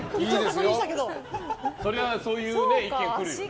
それはそういう意見が来るよね。